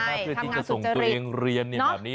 น่าเพื่อที่จะส่งตัวเองเรียนเนี่ยแบบนี้